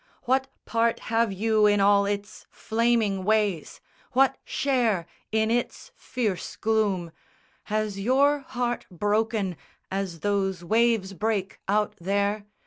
What part have you in all its flaming ways? What share in its fierce gloom? Has your heart broken As those waves break out there?